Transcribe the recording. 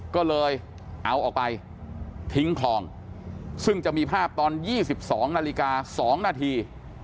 ก็เลยเอาออกไปทิ้งคลองซึ่งจะมีภาพตอนยี่สิบสองนาฬิกาสองนาที